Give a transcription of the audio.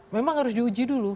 memang harus diuji dulu